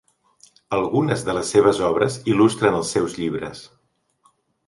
Algunes de les seves obres il·lustren els seus llibres.